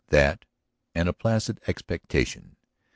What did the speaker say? . that and a placid expectation.